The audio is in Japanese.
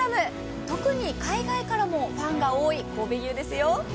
特に海外からもファンが多い神戸牛ですよ。